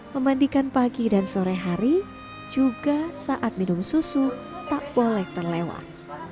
memandikan pagi dan sore hari juga saat minum susu tak boleh terlewat